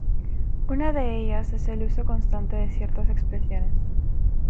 Una de ellas es el uso constante de ciertas expresiones.